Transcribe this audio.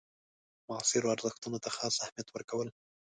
معاصرو ارزښتونو ته خاص اهمیت ورکول.